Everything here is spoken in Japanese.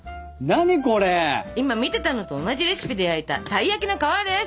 今見ていたのと同じレシピで焼いたたい焼きの「皮」です。